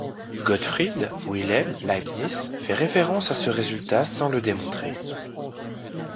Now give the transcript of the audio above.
Gottfried Wilhelm Leibniz fait référence à ce résultat sans le démontrer.